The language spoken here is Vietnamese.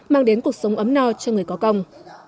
mang đến cuộc sống ấm no cho người có công